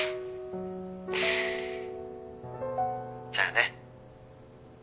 じゃあね。